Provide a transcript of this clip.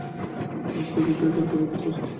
তাঁর ছবি তো একের পর এক সুপারহিট হচ্ছে।